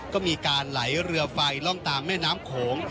ก็มีการไหลเรือไฟล่องตามแม่น้ำโขง